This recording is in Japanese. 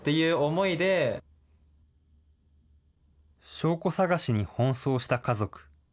証拠探しに奔走した家族。